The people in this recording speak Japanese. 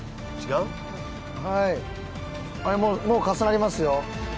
もう重なりますよ。